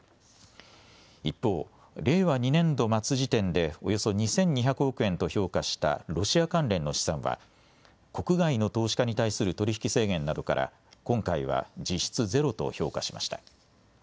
一方、令和２年度末時点でおよそ２２００億円と評価したロシア関連の資産は国外の投資家に対する取引制限などから今回は実質ゼロと評価しました。